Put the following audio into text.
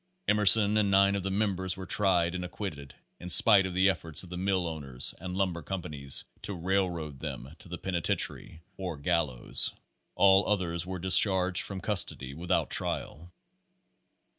Emerson and nine of the members were tried and ac quitted in spite of the efforts of the mill owners and lumber companies to railroad them to the penitentiary or gallows. All others were discharged from custody without trial.